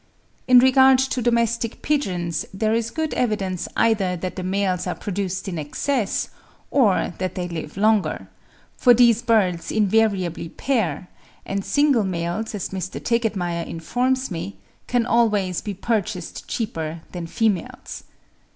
In regard to domestic pigeons there is good evidence either that the males are produced in excess, or that they live longer; for these birds invariably pair, and single males, as Mr. Tegetmeier informs me, can always be purchased cheaper than females.